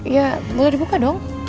ya boleh dibuka dong